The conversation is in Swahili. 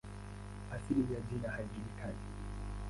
Asili ya jina haijulikani.